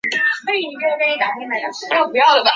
开始符氏嫁给河中节度使李守贞之子李崇训。